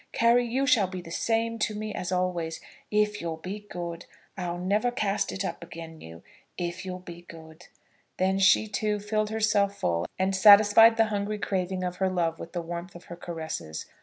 Carry, you shall be the same to me as always, if you'll be good. I'll never cast it up again you, if you'll be good." Then she, too, filled herself full, and satisfied the hungry craving of her love with the warmth of her caresses.